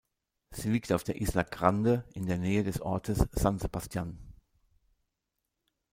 Sie liegt auf der Isla Grande in der Nähe des Ortes San Sebastián.